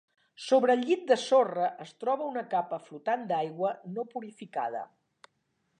Sobre el llit de sorra es troba una capa flotant d'aigua no purificada.